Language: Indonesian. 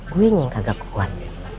gue yang kagak kuat